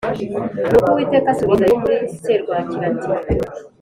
nuko uwiteka asubiriza yobu muri serwakira ati